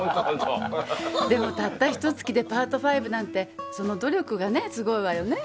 でもたったひと月でパート５なんてその努力がすごいわよね？